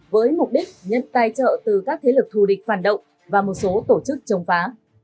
với mục đích nhận tài trợ từ các thế lực thù địch phản động và một số tổ chức chống phá